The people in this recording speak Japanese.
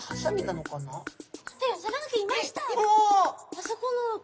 あそこの陰！